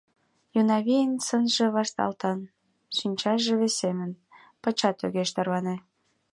Унавийын сынже вашталтын, шинчаже весемын, пычат огеш тарване.